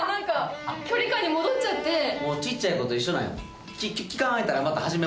小っちゃい子と一緒なんよ。